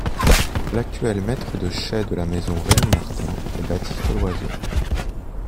L’actuel maître de chai de la maison Rémy Martin est Baptiste Loiseau.